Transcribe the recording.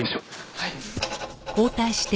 はい。